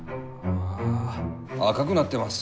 あ赤くなってます。